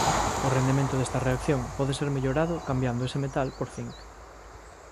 O rendemento desta reacción pode ser mellorado cambiando ese metal por cinc.